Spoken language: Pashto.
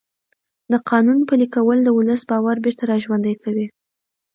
د قانون پلي کول د ولس باور بېرته راژوندی کوي